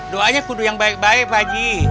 doanya kudu yang baik baik pagi